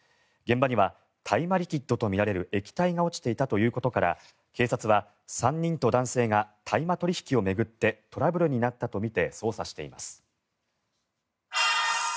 現場には大麻リキッドとみられる液体が落ちていたということから警察は、３人と男性が大麻取引を巡ってトラブルになったとみて捜査しています。